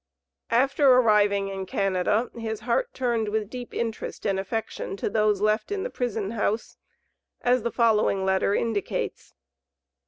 After arriving in Canada, his heart turned with deep interest and affection to those left in the prison house, as the following letter indicates.